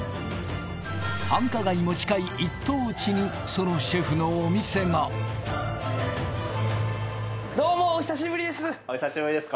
繁華街も近い１等地にそのシェフのお店がどうもお久しぶりですお久しぶりです